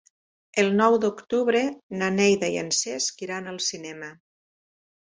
El nou d'octubre na Neida i en Cesc iran al cinema.